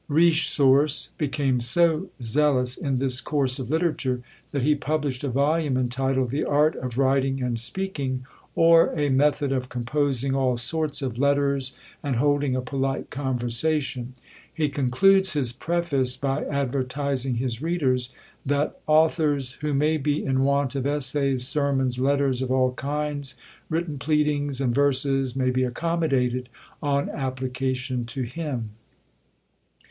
Richesource became so zealous in this course of literature, that he published a volume, entitled, "The Art of Writing and Speaking; or, a Method of composing all sorts of Letters, and holding a polite Conversation." He concludes his preface by advertising his readers, that authors who may be in want of essays, sermons, letters of all kinds, written pleadings and verses, may be accommodated on application to him.